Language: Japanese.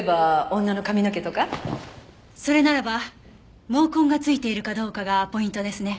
それならば毛根が付いているかどうかがポイントですね。